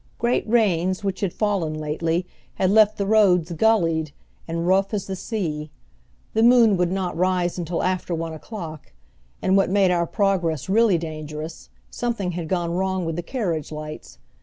Great rains, which had fallen lately, had left the roads gullied, and rough as the sea. The moon would not rise until after one o'clock, and what made our progress really dangerous, something had gone wrong with the carriage lights.